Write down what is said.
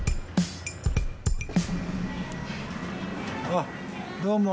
あっどうも。